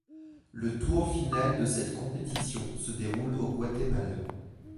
Le tour final de cette compétition se déroule au Guatemala.